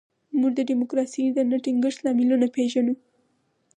موږ د ډیموکراسۍ د نه ټینګښت لاملونه پېژنو.